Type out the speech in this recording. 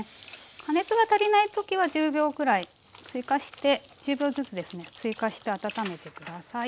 加熱が足りない時は１０秒くらい追加して１０秒ずつですね追加して温めて下さい。